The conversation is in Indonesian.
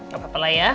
gapapa lah ya